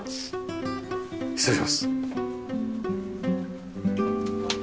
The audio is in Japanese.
失礼します。